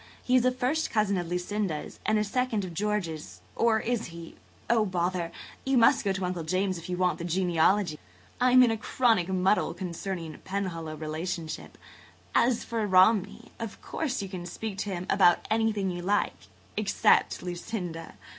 He is a first cousin of Lucinda's and a second of George's–or is he? Oh, bother! You must go to Uncle Julius if you want the genealogy. I'm in a chronic muddle concerning Penhallow relationship. And, as for Romney, of course you can speak to him about anything you like except Lucinda.